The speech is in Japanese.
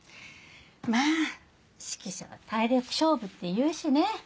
まぁ指揮者は体力勝負っていうしね。